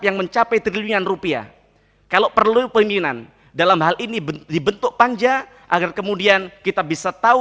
yang mencapai triliunan rupiah kalau perlu pemimpinan dalam hal ini dibentuk panja agar kemudian kita bisa tahu